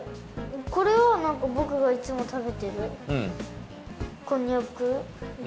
これはなんかぼくがいつもたべてるこんにゃくで。